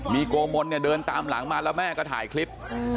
มีโกมลเนี่ยเดินตามหลังมาแล้วแม่ก็ถ่ายคลิป